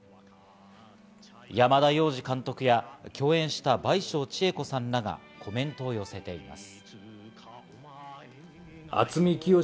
山田洋次監督や共演した倍賞千恵子さんらがコメントを寄せています。